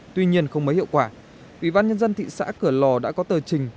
tuy nhiên không mới hiệu quả ủy ban nhân dân thị xã cửa lò đã có tờ trình